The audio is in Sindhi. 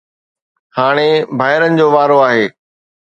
هاڻي ڀائرن جو وارو آهي